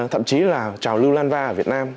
thậm chí là trào lưu lan va ở việt nam